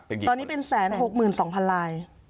ตอนนี้เป็น๑๖๒๐๐๐ลาย